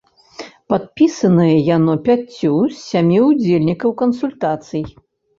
Падпісанае яно пяццю з сямі ўдзельнікаў кансультацый.